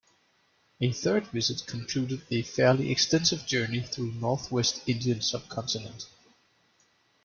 A third visit concluded a fairly extensive journey through northwest Indian subcontinent.